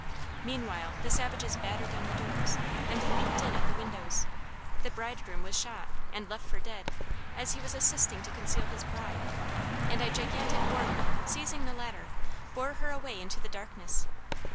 Meanwhile the savages battered down the doors, and leaped in at the windows. The bridegroom was shot, and left for dead, as he was assisting to conceal his bride, and a gigantic warrior, seizing the latter, bore her away into the darkness.